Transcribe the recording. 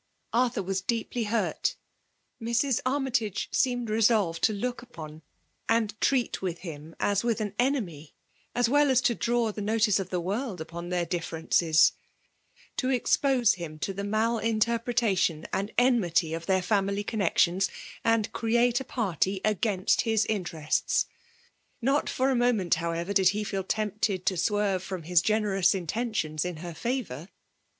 Arthur waa deeply hurt. Mrs. Armytage seemed resdved to look upon and treat with 90( FEMALS i>OMlliATIfii(# him as with an eneiny^ as well as to draw tike notice of the world upon thdr ^fferenees ; to ^jqpose him to the mal int^rpretation and eaauty of their family connexions, and create a party against his interests. Not for a wo^ meni, however^ did he feel tempted to swenre from his generous intentions in her favour.